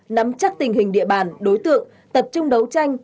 nắm chắc tình hình địa bàn đối tượng tập trung đấu tranh